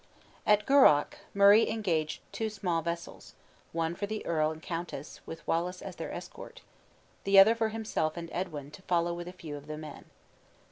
At Gourock, Murray engage two small vessels; one for the earl and countess, with Wallace as their escort; the other for himself and Edwin, to follow with a few of the men.